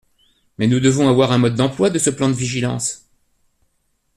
Mais nous devons avoir un mode d’emploi de ce plan de vigilance.